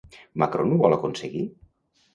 Macron ho vol aconseguir?